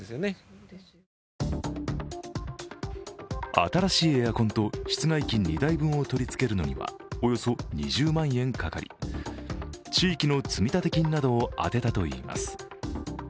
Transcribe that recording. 新しいエアコンと室外機２台分を取り付けるのにはおよそ２０万円かかり、地域の積立金などを充てたといいます。